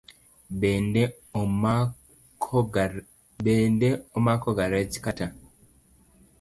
Bende omakoga rech kata?